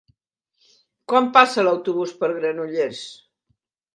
Quan passa l'autobús per Granollers?